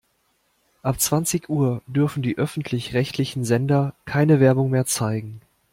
Ab zwanzig Uhr dürfen die öffentlich-rechtlichen Sender keine Werbung mehr zeigen.